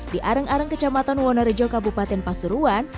di areng areng kecamatan wonorejo kabupaten pasuruan